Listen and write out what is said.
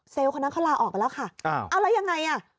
เซลล์คนนั้นเขาลาออกไปแล้วค่ะอ้าวเอาแล้วยังไงอะ